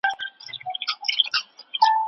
دولت د مهم سهم لرونکي په توګه کار کوي.